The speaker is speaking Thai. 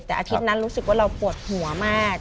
แต่อาทิตย์นั้นรู้สึกว่าเราปวดหัวมาก